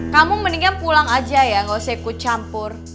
kamu mendingan pulang aja ya nggak usah ikut campur